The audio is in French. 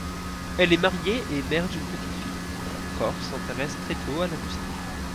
Elle est mariée et mère d'une petite fille. Koch s'intéresse très tôt à la musique.